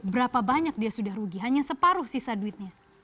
berapa banyak dia sudah rugi hanya separuh sisa duitnya